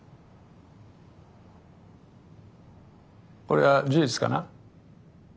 これは事実かな？